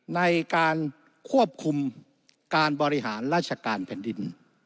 ในการควบคุมการบริหารราชการแผ่นดิน